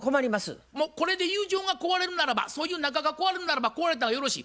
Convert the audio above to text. これで友情が壊れるならばそういう仲が壊れるならば壊れたらよろしい。